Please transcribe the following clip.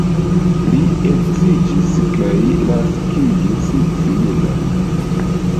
Li edziĝis kaj naskigis filinon.